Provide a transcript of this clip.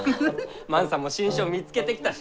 万さんも新種を見つけてきたし！